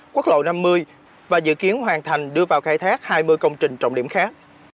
quốc lộ năm mươi và dự kiến hoàn thành đưa vào khai thác hai mươi công trình trọng điểm khác